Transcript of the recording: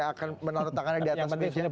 akan menaruh tangannya di atas yang penting